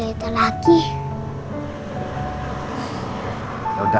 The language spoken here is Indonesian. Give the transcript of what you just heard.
si buruk rupa